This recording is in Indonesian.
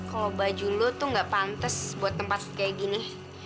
kalau baju lo tuh gak pantas buat tempat kayak gini